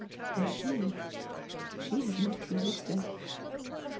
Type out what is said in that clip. And she, she had not resisted.